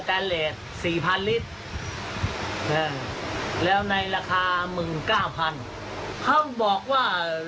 ครับรถโตยุต้าว่ะ